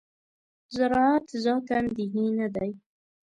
زراعت ذاتاً دیني نه دی.